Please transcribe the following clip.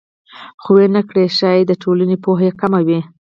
خو ویې نه کړ ښایي د ټولنې پوهه یې کمه وي